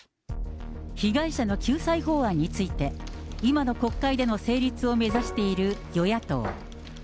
被害者の救済法案について、今の国会での成立を目指している与野党。